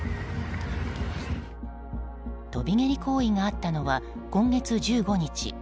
跳び蹴り行為があったのは今月１５日。